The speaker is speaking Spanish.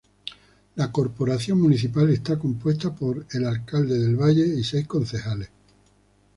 La corporación municipal está compuesta por el alcalde del valle y seis concejales.